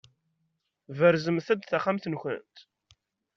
Tberzemt-d taxxamt-nkent?